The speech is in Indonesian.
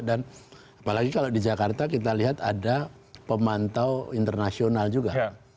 dan apalagi kalau di jakarta kita lihat ada pemantau internasional juga